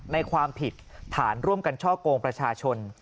ความผิดฐานร่วมกันช่อกงประชาชน